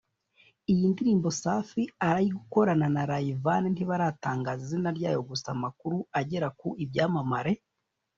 Iyi ndirimbo Safi ari gukorana na Rayvanny ntibaratangaza izina ryayo gusa amakuru agera ku Ibyamamare